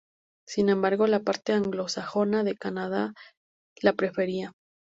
Sin embargo, la parte anglosajona de Canadá la prefería.